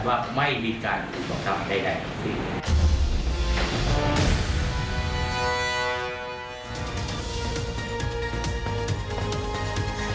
บอกท่าว่าใดของสิ่งนี้